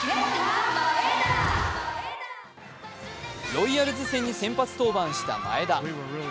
ロイヤルズ戦に先発登板した前田。